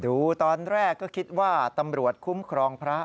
ดูตอนแรกก็คิดว่าตำรวจคุ้มครองพระ